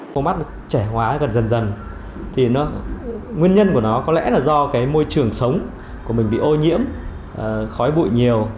khô mắt trẻ hóa gần dần dần nguyên nhân của nó có lẽ là do môi trường sống của mình bị ô nhiễm khói bụi nhiều